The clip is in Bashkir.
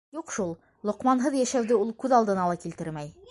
Юҡ шул, Лоҡманһыҙ йәшәүҙе ул күҙ алдына ла килтермәй!